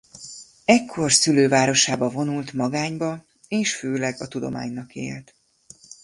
Ekkor szülővárosába vonult magányba és főleg a tudománynak élt.